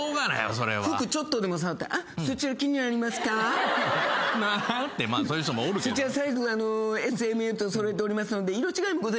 そちらサイズＳＭＬと揃えておりますので色違いもございますので。